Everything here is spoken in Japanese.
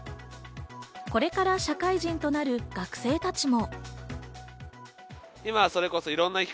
これから社会人となる学生たちも。